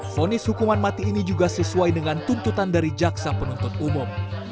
fonis hukuman mati ini juga sesuai dengan tuntutan dari jaksa penuntut umum